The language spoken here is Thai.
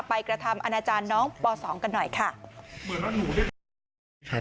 กระทำอนาจารย์น้องป๒กันหน่อยค่ะ